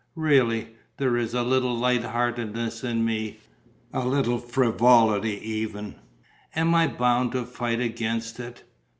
Really, there is a little light heartedness in me, a little frivolity even. Am I bound to fight against it?